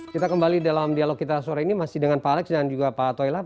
kita kembali dalam dialog kita sore ini masih dengan pak alex dan juga pak toilap